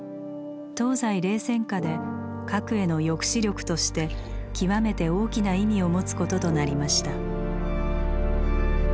東西冷戦下で核への抑止力として極めて大きな意味を持つこととなりました。